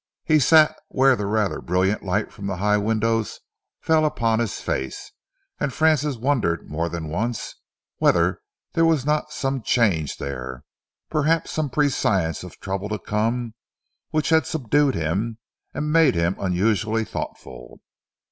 He sat where the rather brilliant light from the high windows fell upon his face, and Francis wondered more than once whether there were not some change there, perhaps some prescience of trouble to come, which had subdued him and made him unusually thoughtful.